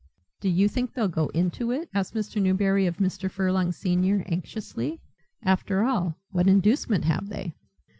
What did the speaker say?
"Do you think they'll go into it?" asked Mr. Newberry of Mr. Furlong senior, anxiously. "After all, what inducement have they?"